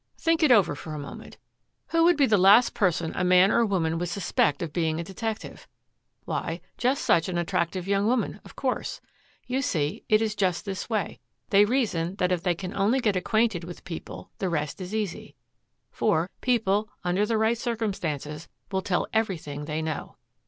"Think it over for a moment. Who would be the last person a man or woman would suspect of being a detective? Why, just such an attractive young woman, of course. You see, it is just this way. They reason that if they can only get acquainted with people the rest is easy. For, people, under the right circumstances, will tell everything they know."